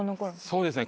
そうですね。